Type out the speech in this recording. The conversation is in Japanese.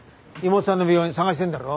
妹さんの病院探してるんだろ？